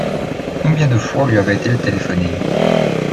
Combien de fois lui avaient-elles téléphoné ?